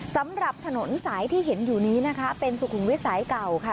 สำหรับถนนสายที่เห็นอยู่นี้นะคะเป็นสุขุมวิทย์สายเก่าค่ะ